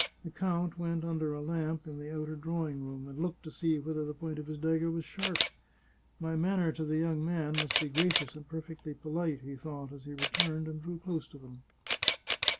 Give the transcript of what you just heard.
The count went under a lamp in the outer drawing room, and looked to see whether the point of his dagger was sharp. " My manner to the young man must be gracious and perfectly polite," he thought, as he returned and drew close to them.